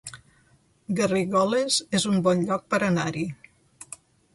Garrigoles es un bon lloc per anar-hi